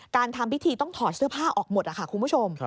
ทำพิธีต้องถอดเสื้อผ้าออกหมดค่ะคุณผู้ชม